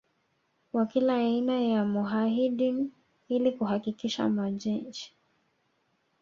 wa kila aina kwa Mujahideen ili kuhakikisha majeshi